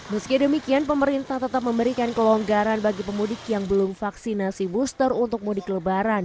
meski demikian pemerintah tetap memberikan kelonggaran bagi pemudik yang belum vaksinasi booster untuk mudik lebaran